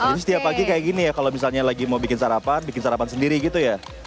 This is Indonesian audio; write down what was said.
jadi setiap pagi kayak gini ya kalau misalnya lagi mau bikin sarapan bikin sarapan sendiri gitu ya